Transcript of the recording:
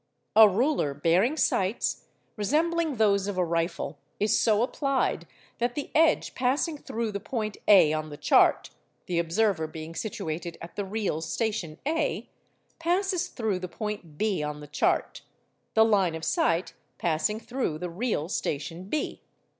A ruler bearing sights, resembling those of a rifle, is so applied that the edge passing through the point A on the chart (the observer being situated at the real station A) passes through the point B on the chart, the line of sight passing through the real station B.